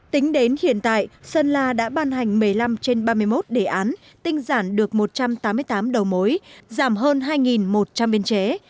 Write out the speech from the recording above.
tính đến hiện tại sơn la đã ban hành một mươi năm trên ba mươi một đề án tinh giản được một trăm tám mươi tám đầu mối giảm hơn hai một trăm linh biên chế